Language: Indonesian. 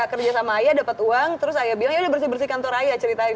kerja sama ayah dapat uang terus saya bilang ya udah bersih bersih kantor ayah ceritain